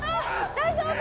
大丈夫？